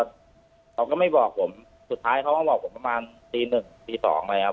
เขาก็ไม่บอกผมสุดท้ายเขาก็บอกผมประมาณตีหนึ่งตีสองเลยครับ